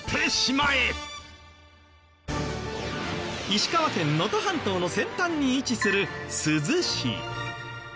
石川県能登半島の先端に位置する珠洲市。